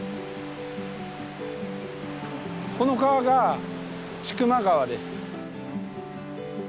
この川が千曲川です。